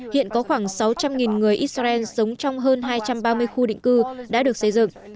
hiện có khoảng sáu trăm linh người israel sống trong hơn hai trăm ba mươi khu định cư đã được xây dựng